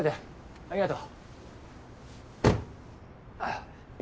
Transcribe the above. ありがとう。